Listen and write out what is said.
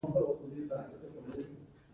د دې تفکیک مطابق یوه مهمه پایله ترلاسه کیږي.